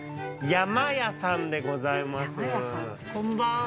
「山や」さんでございます。